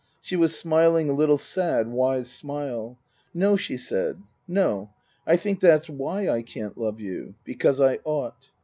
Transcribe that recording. She was smiling a little sad, wise smile. " No," she said. " No. I think that's why I can't love you because I ought."